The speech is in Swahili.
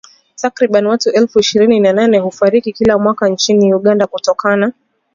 Takriban watu elfu ishirini na nane hufariki kila mwaka nchini Uganda kutokana